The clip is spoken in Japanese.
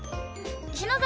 篠崎